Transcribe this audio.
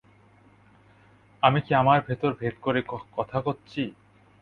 আমি কি আমার-তোমার ভেদ করে কথা কচ্ছি?